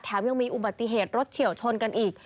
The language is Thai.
ยังมีอุบัติเหตุรถเฉียวชนกันอีก